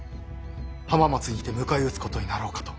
浜松にて迎え撃つことになろうかと。